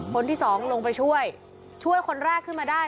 คนที่สองลงไปช่วยช่วยคนแรกขึ้นมาได้